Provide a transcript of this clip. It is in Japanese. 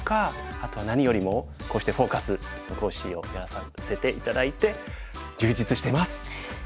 あと何よりもこうして「フォーカス」の講師をやらせて頂いて充実してます！